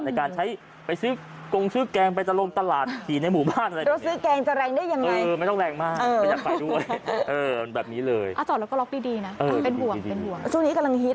อย่างคุณดาวกล่องนี้มาชั่งไปบ้าน